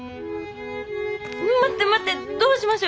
待って待ってどうしましょう！